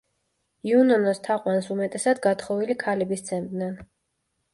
იუნონას თაყვანს უმეტესად გათხოვილი ქალები სცემდნენ.